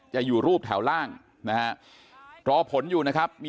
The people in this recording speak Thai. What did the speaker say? จะอยู่รูปแถวล่างนะฮะเดี๋ยวรอผลอยู่นะครับ